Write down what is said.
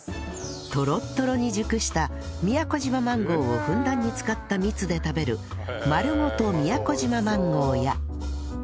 トロットロに熟した宮古島マンゴーをふんだんに使った蜜で食べるまるごと宮古島マンゴーや